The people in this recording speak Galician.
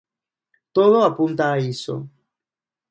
Todo apunta a iso.